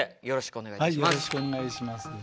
よろしくお願いします。